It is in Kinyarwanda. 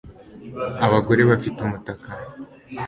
Abagore bafite umutaka